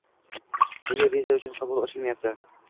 Nega viza uchun qabul ochilmayapti?